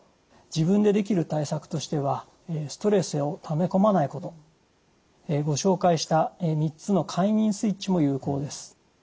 自分でできる対策としてはストレスをため込まないことご紹介した３つの快眠スイッチも有効です。